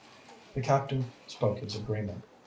The captain spoke his agreement.